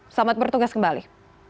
selamat bertugas kembali